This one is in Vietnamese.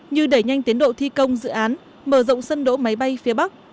như đẩy nhanh tiến độ thi công dự án mở rộng sân đỗ máy bay phía bắc